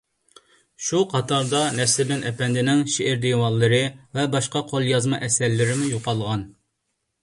شۇ قاتاردا نەسرىدىن ئەپەندىنىڭ شېئىر دىۋانلىرى ۋە باشقا قوليازما ئەسەرلىرىمۇ يوقالغان.